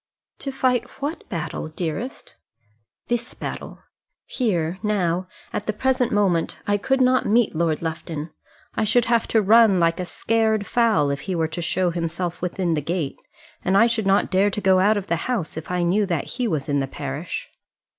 "To fight what battle, dearest?" "This battle. Here, now, at the present moment, I could not meet Lord Lufton. I should have to run like a scared fowl if he were to show himself within the gate; and I should not dare to go out of the house, if I knew that he was in the parish."